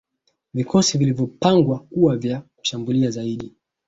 vikosi vilipangwa kuwa vya kushambulia zaidi